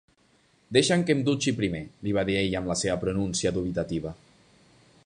Deixa'm que em dutxi primer —li va dir ella amb la seva pronúncia dubitativa.